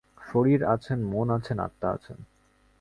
শরীর আছেন, মন আছেন, আত্মা আছেন।